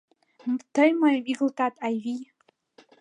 Тый мыйым игылтат, Айвий.